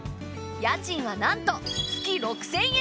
家賃はなんと月６，０００円